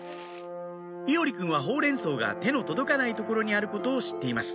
伊織くんはホウレンソウが手の届かない所にあることを知っています